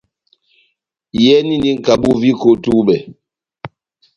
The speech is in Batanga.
Iyɛnindi nʼkabu viko ό túbɛ.